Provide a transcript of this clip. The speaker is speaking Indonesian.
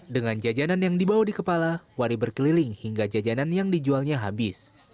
dengan jajanan yang dibawa di kepala wari berkeliling hingga jajanan yang dijualnya habis